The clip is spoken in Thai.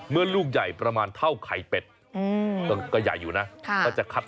เมื่อลูกใหญ่ประมาณเท่าไข่เป็ด